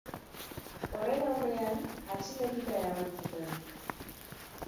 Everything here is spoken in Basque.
Horren aurrean, atxilotuta eraman zuten.